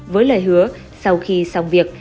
với lời hứa sau khi xong việc